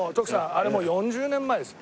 あれもう４０年前ですよ。